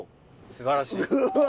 すばらしいうわ